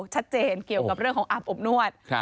ชัดเจนเกี่ยวกับเรื่องของอาบอบนวด